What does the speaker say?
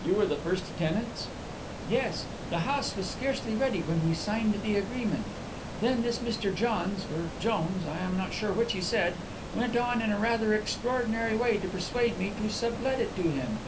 "You were the first tenants?" "Yes. The house was scarcely ready when we signed the agreement. Then this Mr Johns, or Jones I am not sure which he said went on in a rather extraordinary way to persuade me to sublet it to him.